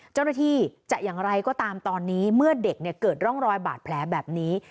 เจ้าหน้าที่จะอย่างไรก็ตามตอนนี้เมื่อเด็กเกิดร่องรอยบาดแผลแบบนี้